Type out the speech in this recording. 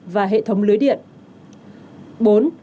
và hệ thống lưới điện